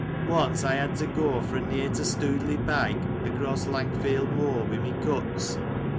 Once I had to go fro near to Stoodley Pike, across Langfield Moor, wi' my cuts.